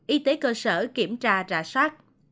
y tế cơ sở kiểm tra rạ sát